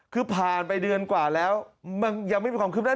คือผ่านไปเดือนกว่าแล้วมันยังไม่มีความคืบหน้า